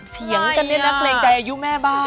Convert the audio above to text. เถียงกันเนี่ยนักเลงใจอายุแม่บ้าน